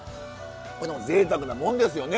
ぜいたくなもんですよね。